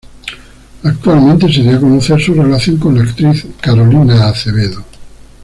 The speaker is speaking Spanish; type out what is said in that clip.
Actualmente se dio a conocer su relación con la actriz Carolina Acevedo.